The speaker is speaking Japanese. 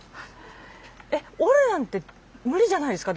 えっ折るなんて無理じゃないですか？